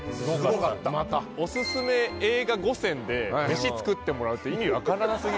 おすすめ映画５選で飯作ってもらうって意味分からな過ぎる。